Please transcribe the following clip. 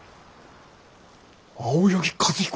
青柳和彦？